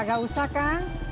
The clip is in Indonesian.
gak usah kan